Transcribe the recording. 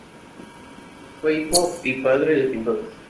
Fue hijo y padre de pintores.